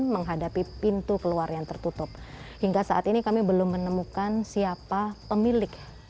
menghadapi pintu keluar yang tertutup hingga saat ini kami belum menemukan siapa pemilik